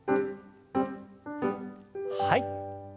はい。